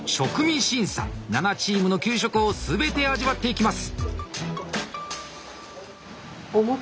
７チームの給食を全て味わっていきます。